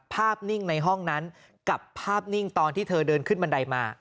นิ่งในห้องนั้นกับภาพนิ่งตอนที่เธอเดินขึ้นบันไดมา